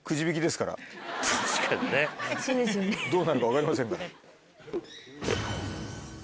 どうなるか分かりませんから。